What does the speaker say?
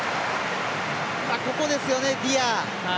ここですよね、ディア。